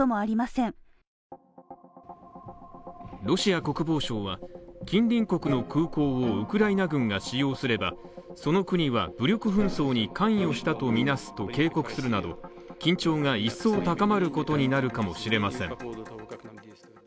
ロシア国防省は、近隣国の空港をウクライナ軍が使用すればその国は武力紛争に関与したと見なすと警告するなど緊張が一層高まることになるかもしれません。